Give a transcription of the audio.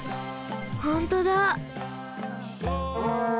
ほんとだ。